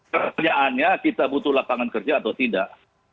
pertanyaannya kita butuh lapangan kerja atau tidak